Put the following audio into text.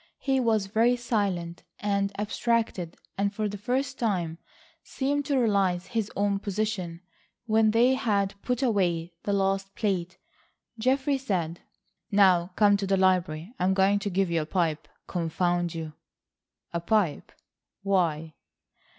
He was very silent and abstracted and for the first time seemed to realise his position. When they had put away the last plate, Geoffrey said: "Now come to the library. I am going to give you a pipe, confound you." "A pipe! Why?"